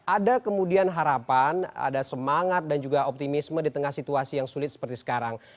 ada kemudian harapan ada semangat dan juga optimisme di tengah situasi yang sulit seperti sekarang